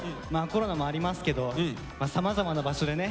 コロナもありますけどさまざまな場所でね